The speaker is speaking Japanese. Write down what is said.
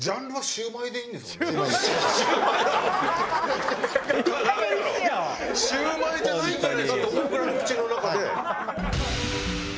シュウマイじゃないんじゃないかって思うぐらい口の中で。